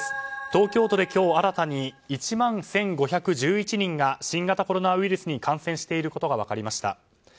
東京都で今日新たに１万１５１１人が新型コロナウイルスに感染していることが分かりました。